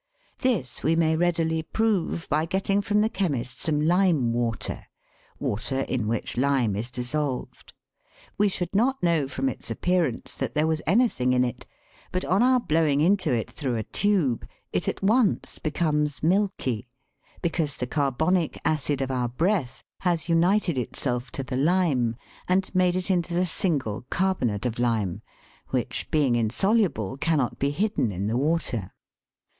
This we may readily prove by getting from the chemist some lime water water in which lime is dissolved. We should not know from its ap pearance that there was anything in it ; but, on our blowing into it through a tube, it at once becomes milky, because the carbonic acid of our breath has united itself to the lime and made it into the single carbonate of lime, which, being insoluble, cannot be hidden in the water.